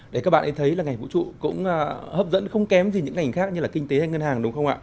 để các bạn ấy thấy là ngành vũ trụ cũng hấp dẫn không kém gì những ngành khác như là kinh tế hay ngân hàng đúng không ạ